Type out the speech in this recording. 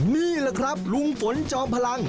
นี่แหละครับลุงฝนจอมพลัง